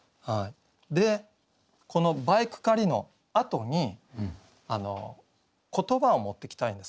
でこの「バイク駆り」のあとに言葉を持ってきたいんです。